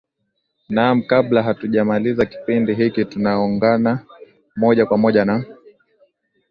naam kabla hatujamaliza kipindi hiki tunaungana moja kwa moja na